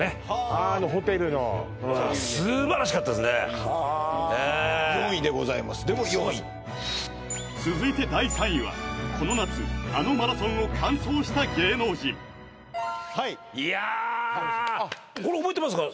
ああホテルの素晴らしかったですねええ４位でございますでも４位すごい続いて第３位はこの夏あのマラソンを完走した芸能人はいいやこれ覚えてますか？